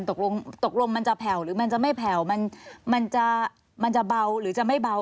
ตกลงตกลงมันจะแผ่วหรือมันจะไม่แผ่วมันจะเบาหรือจะไม่เบา